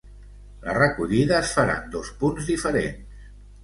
La recollida es farà en dos punts diferents.